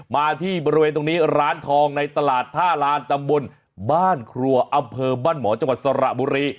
มาที่บริเวณตรงนี้ร้านทองในตลาดท่าลานตำบลบ้านครัวอำเภอบ้านหมอจังหวัดสระบุรี